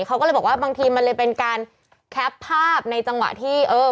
เขาก็เลยบอกว่าบางทีมันเลยเป็นการแคปภาพในจังหวะที่เออ